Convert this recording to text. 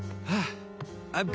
ああ。